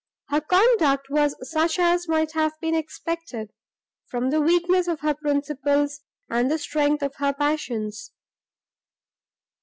Her conduct was such as might have been expected, from the weakness of her principles and the strength of her passions.